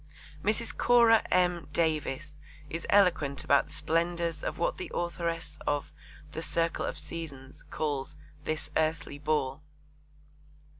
Mrs. Cora M. Davis is eloquent about the splendours of what the authoress of The Circle of Seasons calls 'this earthly ball.'